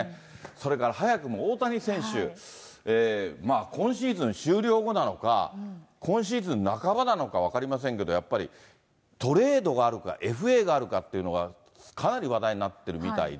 それから早くも大谷選手、まあ、今シーズン終了後なのか、今シーズン半ばなのか分かりませんけど、やっぱりトレードがあるか、ＦＡがあるかというのがかなり話題になってるみたいで。